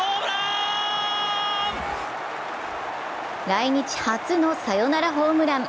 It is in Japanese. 来日初のサヨナラホームラン。